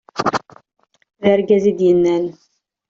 d argaz i d-yennan